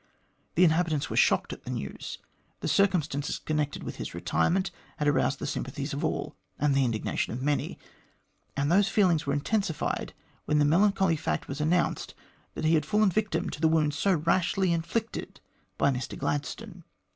The inhabitants were shocked at the news. The circumstances connected with his retirement had aroused the sympathies of all, and the indignation of many ; and those feelings were intensified when the melancholy fact was announced that he had fallen a victim to the wound so rashly inflicted by Mr Gladstone.